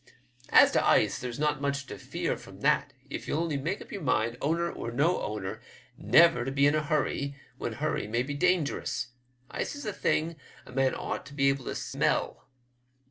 As to ice there's not much to fear from that if ye'U only make up your mind, owner or no owner, never to be in a hurry when hurry may be dangerous. Ice is a thing a man ought to be able to smell."